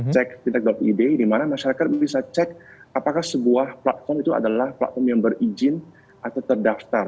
cekintek id dimana masyarakat bisa cek apakah sebuah platform itu adalah platform yang berizin atau terdaftar